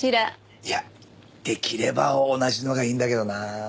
いやできれば同じのがいいんだけどなあ。